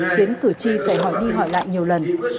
khiến cử tri phải hỏi đi hỏi lại nhiều lần